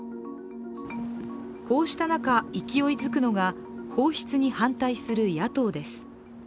こうした中、勢いづくのが放出に反対する野党です。